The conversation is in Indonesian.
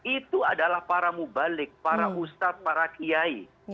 itu adalah para mubalik para ustadz para kiai